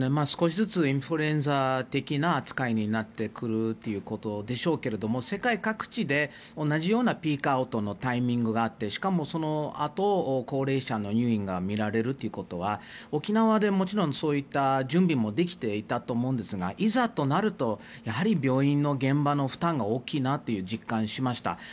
少しずつインフルエンザ的な扱いになってくるということでしょうけど世界各地で同じようなピークアウトのタイミングがあってしかもそのあと高齢者の入院がみられるということは沖縄でもちろんそういった準備もできていたと思うんですがいざとなるとやはり病院の現場の負担が大きいなと実感しました。